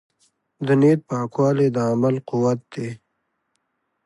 د نیت پاکوالی د عمل قوت دی.